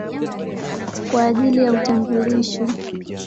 kwa ajili ya utambulisho.